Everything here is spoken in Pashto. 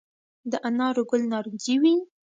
د انارو ګل نارنجي وي؟